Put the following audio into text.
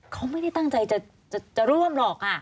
เขาไม่ได้ตั้งใจจะร่วมหรอก